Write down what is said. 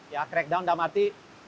ya crackdown dalam arti